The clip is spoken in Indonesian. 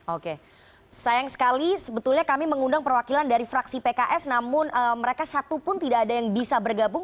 oke sayang sekali sebetulnya kami mengundang perwakilan dari fraksi pks namun mereka satu pun tidak ada yang bisa bergabung